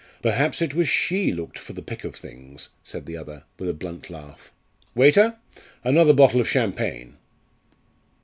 "Perhaps it was she looked for the pick of things!" said the other, with a blunt laugh. "Waiter, another bottle of champagne."